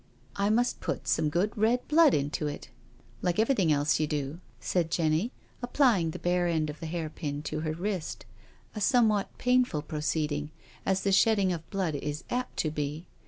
" I must put some good red blood into it— like .everything else you do," said Jenny, applying the bare end of the hairpin to her wrist— a somewhat painful proceeding, as the shedding of blood is apt to be.